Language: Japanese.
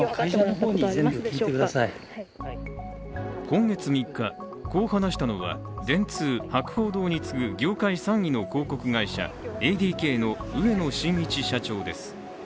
今月３日、こう話したのは電通、博報堂に次ぐ業界３位の広告会社ＡＤＫの植野伸一社長です。